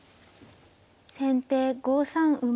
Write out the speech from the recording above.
先手５三馬。